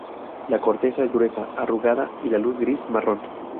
La corteza es gruesa, arrugada, y la luz gris-marrón.